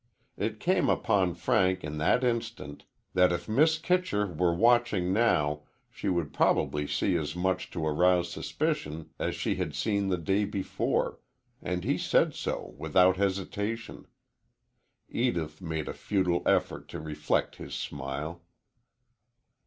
It came upon Frank in that instant that if Mrs. Kitcher were watching now she would probably see as much to arouse suspicion as she had seen the day before, and he said so without hesitation. Edith made a futile effort to reflect his smile.